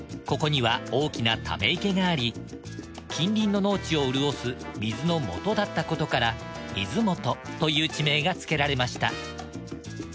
ここには大きなため池があり近隣の農地を潤す水の元だったことから水元という地名が付けられました。